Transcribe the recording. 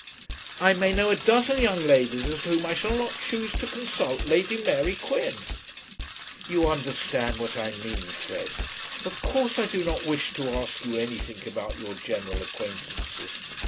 "I may know a dozen young ladies as to whom I shall not choose to consult Lady Mary Quin." "You understand what I mean, Fred. Of course I do not wish to ask you anything about your general acquaintances.